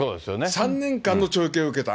３年間の懲役刑を受けた。